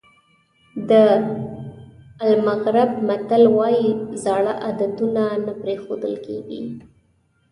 د المغرب متل وایي زاړه عادتونه نه پرېښودل کېږي.